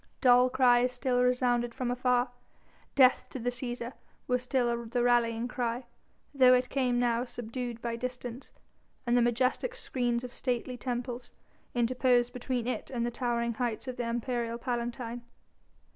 Dull cries still resounded from afar. "Death to the Cæsar!" was still the rallying cry, though it came now subdued by distance, and the majestic screens of stately temples interposed between it and the towering heights of imperial Palatine.